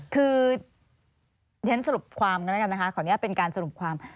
คือเรียนสรุปความกันแล้วกันนะคะขออนุญาตเป็นการสรุปความ